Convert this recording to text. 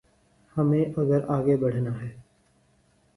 ہمیں اگر آگے بڑھنا ہے۔